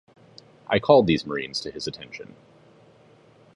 I called these Marines to his attention.